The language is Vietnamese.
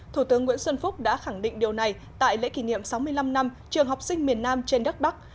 thủ tướng nguyễn xuân phúc đã khẳng định điều này tại lễ kỷ niệm sáu mươi năm năm trường học sinh miền nam trên đất bắc